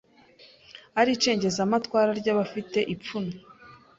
ari icengezamatwara ry’abafite ipfunwe